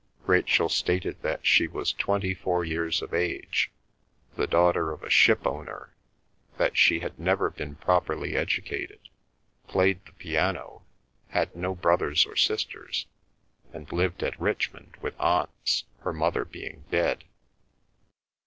Rachel stated that she was twenty four years of age, the daughter of a ship owner, that she had never been properly educated; played the piano, had no brothers or sisters, and lived at Richmond with aunts, her mother being dead.